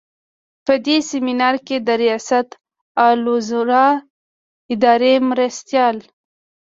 په دې سمینار کې د ریاستالوزراء اداري مرستیال.